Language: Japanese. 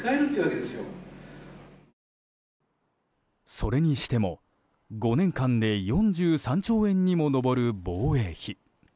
それにしても５年間で４３兆円にも上る防衛費。